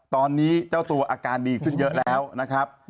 ตอนนี้เจ้าตัวอาการดีขึ้นเยอะแล้วนะครับ